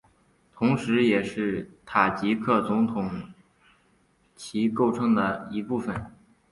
同时也是塔吉克总统旗构成的一部分